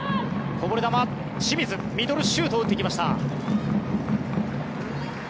こぼれ球、清水ミドルシュートを打ってきました。